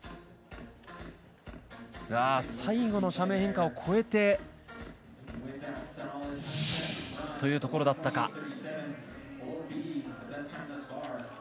最後の斜面変化を越えてというところだったか。